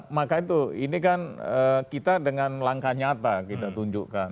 maka itu ini kan kita dengan langkah nyata kita tunjukkan